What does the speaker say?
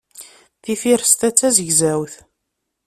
Tifirest-a d tazegzawt.